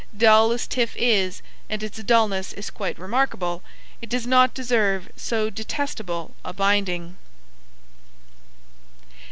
Dull as Tiff is and its dulness is quite remarkable it does not deserve so detestable a binding.